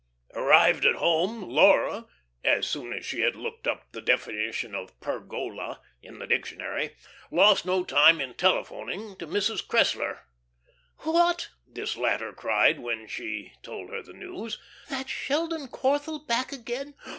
Arrived at home, Laura (as soon as she had looked up the definition of "pergola" in the dictionary) lost no time in telephoning to Mrs. Cressler. "What," this latter cried when she told her the news, "that Sheldon Corthell back again!